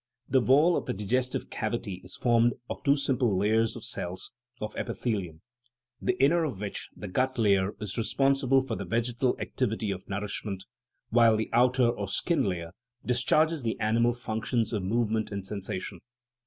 The wall of the di gestive cavity is formed of two simple layers of cells, or epithelium, the inner of which the gut layer is responsible for the vegetal activity of nourishment, while the outer, or skin layer, discharges the animal functions of movement and sensation.